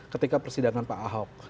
ketika persidangan pak ahok